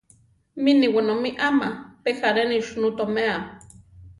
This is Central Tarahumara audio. Mini wenómi ama pe járeni sunú toméa.